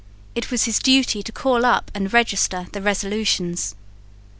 It was his duty to draw up and register the resolutions.